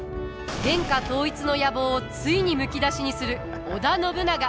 天下統一の野望をついにむき出しにする織田信長。